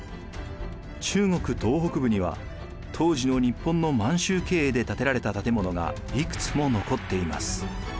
中国東北部には当時の日本の満州経営で建てられた建物がいくつも残っています。